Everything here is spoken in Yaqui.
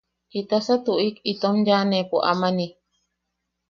¿Jitasa tuʼik itom yaʼaneʼepo amani?